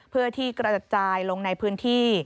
เพื่อที่กระจัดจายลงในพื้นที่